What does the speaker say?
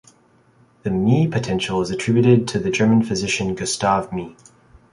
The Mie potential is attributed to the German physician Gustave Mie.